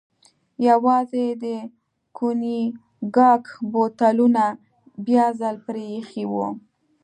یوازې یې د کونیګاک بوتلونه بیا ځل پرې ایښي و.